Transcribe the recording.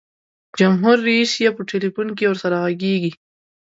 جمهور رئیس یې په ټلفون کې ورسره ږغیږي.